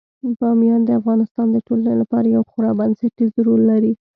بامیان د افغانستان د ټولنې لپاره یو خورا بنسټيز رول لري.